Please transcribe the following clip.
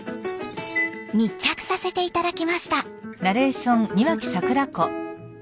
密着させて頂きました。